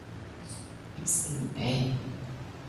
Some residents commute as far as the Portland area.